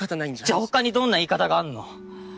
じゃあ他にどんな言い方があんの？